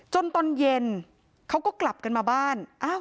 ตอนเย็นเขาก็กลับกันมาบ้าน